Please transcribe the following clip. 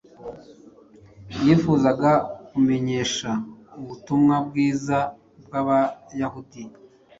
Yifuzaga kumenyesha ubutumwa bwiza bwabayahudi